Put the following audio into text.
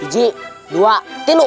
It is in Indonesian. tiji dua tiluk